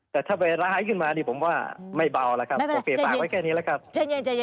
แต่ถ้าไปร้ายขึ้นมานี่ผมว่าไม่เบาแล้วครับผมเก็บปากไว้แค่นี้แล้วครับ